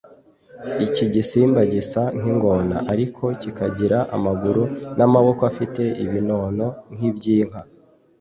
Iki gisimba gisa nk’ingona ariko kikagira amaguru n’amaboko afite ibinono nk’iby’inka